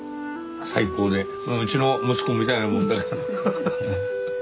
最高でうちの息子みたいなもんだから。